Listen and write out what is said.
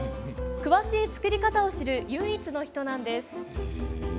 詳しい作り方を知る唯一の人なんです。